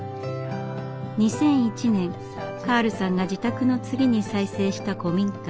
２００１年カールさんが自宅の次に再生した古民家。